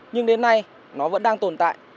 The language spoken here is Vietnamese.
nhưng đến nay nó vẫn đang tồn tại